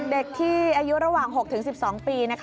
เด็กที่อายุระหว่าง๖๑๒ปี